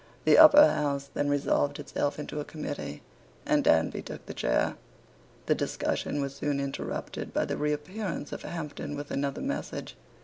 The Upper House then resolved itself into a committee; and Danby took the chair. The discussion was soon interrupted by the reappearance of Hampden with another message.